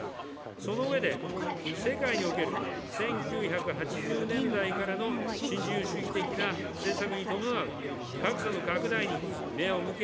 その上で、世界における１９８０年代からの新自由主義的な政策に伴う格差の拡大に目を向け、